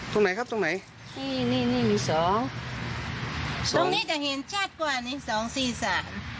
ตรงไหนครับตรงไหนตรงนี้จะเห็นชาติกว่านี้สองสี่สาม